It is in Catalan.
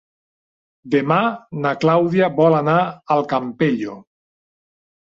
Demà na Clàudia vol anar al Campello.